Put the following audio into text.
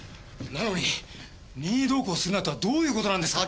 なのに任意同行するなとはどういうことなんですか？